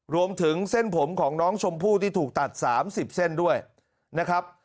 รวมถึงเส้นผมของน้องชมพู่ที่ถูกตัด๓๐เส้นด้วยนะครับ